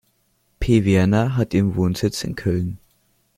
Pe Werner hat ihren Wohnsitz in Köln.